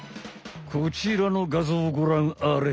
こちらの画像をごらんあれ。